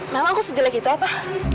memang aku sejelek itu apa